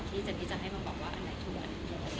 ที่เจนนี่จะให้มาบอกว่าอันไหนถูกกัน